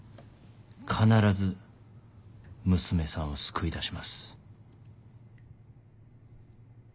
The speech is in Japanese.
必ず娘さんを救い出します。